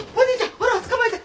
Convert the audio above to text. ほら捕まえて！